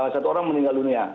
satu orang meninggal dunia